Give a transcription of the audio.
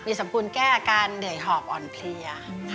สมควรแก้อาการเหนื่อยหอบอ่อนเพลีย